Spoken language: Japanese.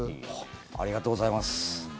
ありがとうございます。